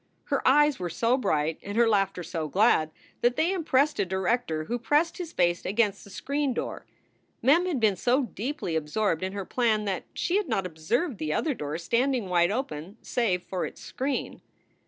Her eyes were so bright and her laughter so glad that they impressed a director who pressed his face against the screen door. Mem had been so deeply absorbed in her plan that she had not observed the other door standing wide open save for its screen.